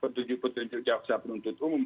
petunjuk petunjuk jaksa penuntut umum